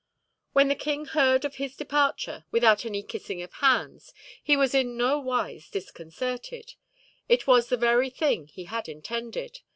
When the king heard of his departure, without any kissing of hands, he was in no wise disconcerted; it was the very thing he had intended.